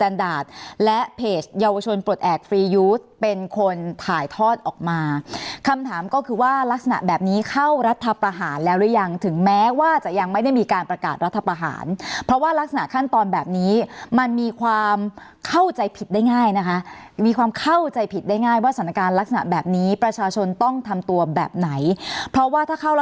เยาวชนปลดแอบฟรียูดเป็นคนถ่ายทอดออกมาคำถามก็คือว่ารักษณะแบบนี้เข้ารัฐประหารแล้วหรือยังถึงแม้ว่าจะยังไม่ได้มีการประกาศรัฐประหารเพราะว่ารักษณะขั้นตอนแบบนี้มันมีความเข้าใจผิดได้ง่ายนะคะมีความเข้าใจผิดได้ง่ายว่าสถานการณ์ลักษณะแบบนี้ประชาชนต้องทำตัวแบบไหนเพราะว่าถ้าเข้า